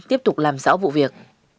tiếp tục làm rõ vụ việc